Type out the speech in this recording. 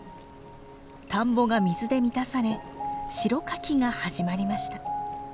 田んぼが水で満たされ代かきが始まりました。